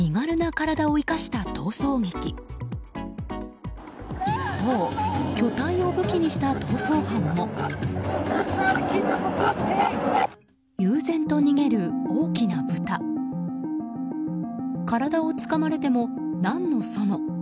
体をつかまれても、何のその。